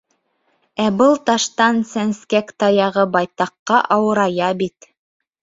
— Ә был таштан сәнскәк таяғы байтаҡҡа ауырая бит.